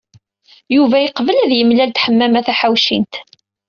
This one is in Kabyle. Yuba yeqbel ad yemlal d Ḥemmama Taḥawcint.